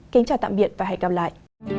xin chào và hẹn gặp lại